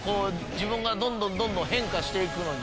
自分がどんどん変化して行くの。